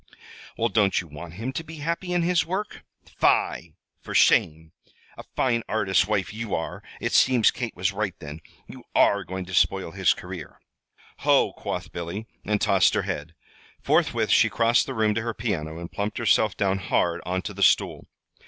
"Well, don't you want him to be happy in his work? Fie! For shame! A fine artist's wife you are. It seems Kate was right, then; you are going to spoil his career!" "Ho!" quoth Billy, and tossed her head. Forthwith she crossed the room to her piano and plumped herself down hard on to the stool.